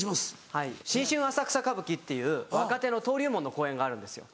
はい『新春浅草歌舞伎』っていう若手の登竜門の公演があるんですよ。